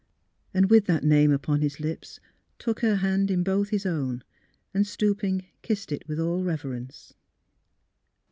" and with that name upon his lips, took her hand in both his own, and stooping Jdssed it with all reverence.